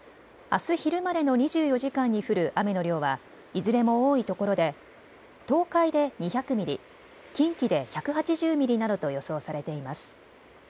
あす昼までの２４時間に降る雨の量はいずれも多いところで東海で２００ミリ、近畿で１８０ミリなどと予想されています。